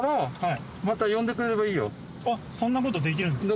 あっそんなことできるんですか？